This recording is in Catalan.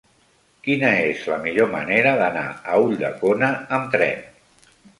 Quina és la millor manera d'anar a Ulldecona amb tren?